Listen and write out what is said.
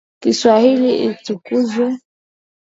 Kiswahili kitukuzwe